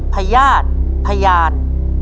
พยายามพยาตพยาน